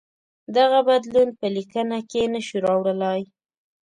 دغه بدلون په لیکنه کې نه شو راوړلای.